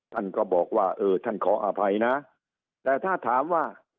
ท่านก็บอกว่าเออท่านขออภัยนะแต่ถ้าถามว่า